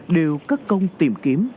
đều cất công tìm kiếm